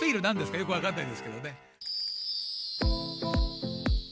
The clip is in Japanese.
よくわかんないですけどね。